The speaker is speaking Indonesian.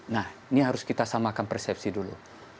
nah ini harus kita samakan persepsi dulu